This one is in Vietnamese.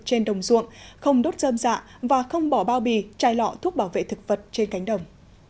trên đồng ruộng không đốt dơm dạ và không bỏ bao bì chai lọ thuốc bảo vệ thực vật trên cánh đồng